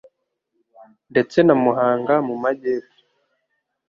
ndetse na Muhanga mu majyepfo,